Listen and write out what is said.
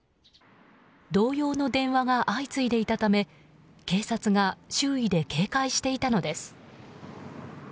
同様の電話が相次いでいたため警察が周囲で警戒していたのです。